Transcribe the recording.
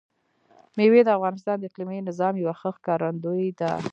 مېوې د افغانستان د اقلیمي نظام یوه ښه ښکارندوی ده.